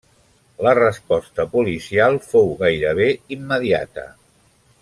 La resposta policial fou gairebé immediata.